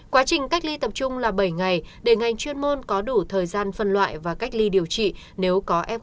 quá trình cách ly tập trung là bảy ngày để ngành chuyên môn có đủ thời gian phân loại và cách ly điều trị nếu có f một